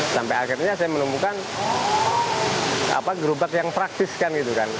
sampai akhirnya saya menemukan gerobak yang praktis kan gitu kan